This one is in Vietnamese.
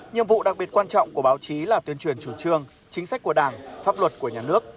nhiệm vụ đặc biệt quan trọng của báo chí là tuyên truyền chủ trương chính sách của đảng pháp luật của nhà nước